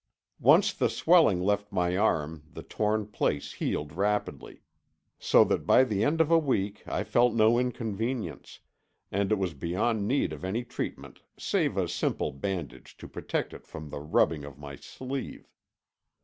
Once the swelling left my arm the torn place healed rapidly. So that by the end of a week I felt no inconvenience, and it was beyond need of any treatment save a simple bandage to protect it from the rubbing of my sleeve.